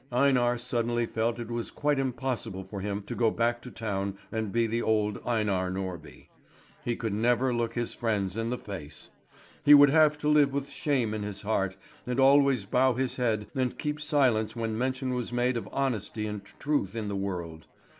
Einar suddenly felt it was quite impossible for him to go back to town and be the old Einar Norby. He could never look his friends in the face. He would have to live with shame in his heart, and always bow his head and keep silence when mention was made of honesty and truth in the world.